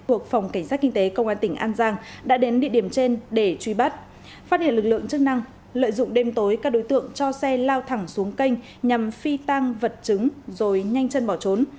thuộc phòng cảnh sát kinh tế công an tỉnh an giang đã đến địa điểm trên để truy bắt phát hiện lực lượng chức năng lợi dụng đêm tối các đối tượng cho xe lao thẳng xuống kênh nhằm phi tăng vật chứng rồi nhanh chân bỏ trốn